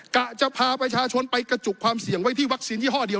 กะจะพาประชาชนไปกระจุกความเสี่ยงไว้ที่วัคซีนยี่ห้อเดียว